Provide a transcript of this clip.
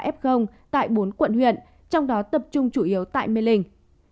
một trăm năm mươi ba f tại bốn quận huyện trong đó tập trung chủ yếu tại mê linh